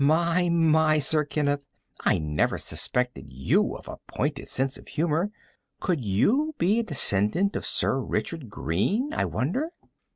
My, my, Sir Kenneth, I never suspected you of a pointed sense of humor could you be a descendant of Sir Richard Greene, I wonder?"